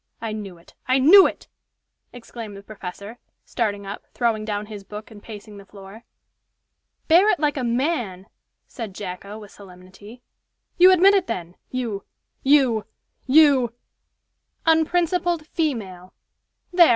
I knew it! I knew it!" exclaimed the professor, starting up, throwing down his book, and pacing the floor. "Bear it like a man!" said Jacko, with solemnity. "You admit it, then. You you you " "'Unprincipled female.' There!